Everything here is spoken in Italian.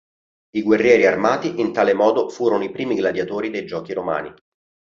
I guerrieri armati in tale modo furono i primi gladiatori dei giochi romani.